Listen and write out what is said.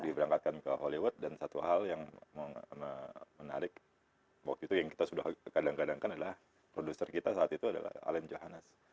dan diberangkatkan ke hollywood dan satu hal yang menarik waktu itu yang kita sudah kadang kadangkan adalah produser kita saat itu adalah alan johannes